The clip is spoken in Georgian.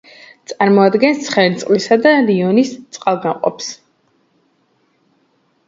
წარმოადგენს ცხენისწყლისა და რიონის წყალგამყოფს.